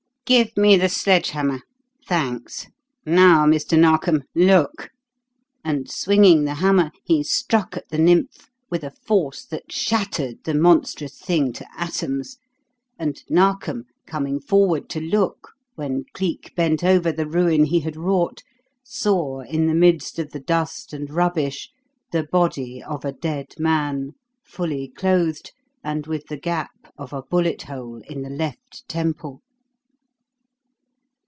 "Give me the sledge hammer. Thanks! Now, Mr. Narkom, look!" And, swinging the hammer, he struck at the nymph with a force that shattered the monstrous thing to atoms; and Narkom, coming forward to look when Cleek bent over the ruin he had wrought, saw in the midst of the dust and rubbish the body of a dead man, fully clothed, and with the gap of a bullet hole in the left temple.